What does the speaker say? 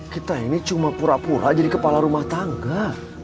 kita ini cuma pura pura jadi kepala rumah tangga